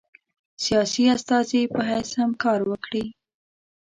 سیاسي استازي په حیث هم کار وکړي.